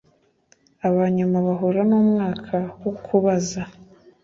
aba nyuma bahura numwuka wo kubaza